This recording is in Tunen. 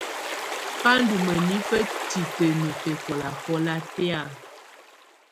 Bá ndù mǝnifǝ titǝniǝ́ bɛkɔlakɔla tɛ̀á.